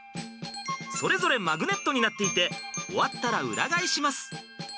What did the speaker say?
それぞれマグネットになっていて終わったら裏返します。